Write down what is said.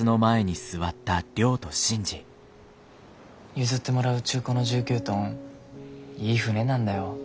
譲ってもらう中古の１９トンいい船なんだよ。